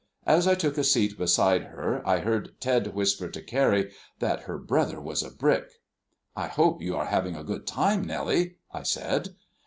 As I took a seat beside her I heard Ted whisper to Carrie that her brother was a brick. "I hope you are having a good time, Nellie?" I said.